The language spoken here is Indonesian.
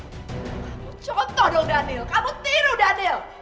contoh dong daniel kamu tiru daniel